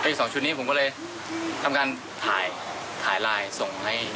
อีก๒ชุดนี้ผมก็เลยทำการถ่ายถ่ายไลน์ส่งให้